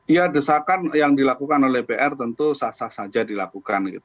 ya desakan yang dilakukan oleh pr tentu sah sah saja dilakukan gitu